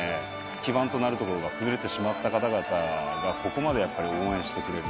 基盤となる所が崩れてしまった方々が、ここまで応援してくれる。